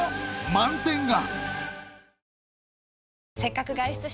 ［満点が！］